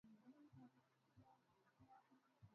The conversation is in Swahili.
wanakuacha vibaya sana kwani wana